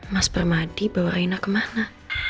mas permadi bawa aina kemana